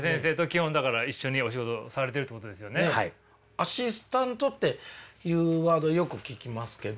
アシスタントっていうワードよく聞きますけど。